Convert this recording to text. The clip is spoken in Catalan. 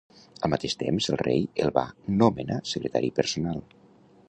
Al mateix temps, el rei el va nomenar secretari personal.